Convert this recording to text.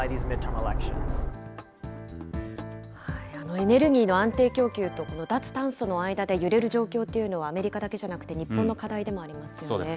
エネルギーの安定供給と、この脱炭素の間で揺れる状況というのは、アメリカだけじゃなくて日本の課題でもありますよね。